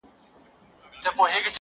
او پوښتني نه ختمېږي هېڅکله،